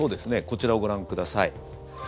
こちらをご覧ください。